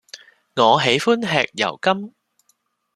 我喜歡吃油柑